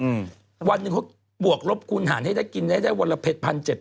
อืมวันหนึ่งเขาบวกลบคูณหารให้ได้กินได้ได้วันละเผ็ดพันเจ็ด